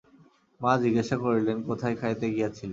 মা জিজ্ঞাসা করিলেন, কোথায় খাইতে গিয়াছিলি।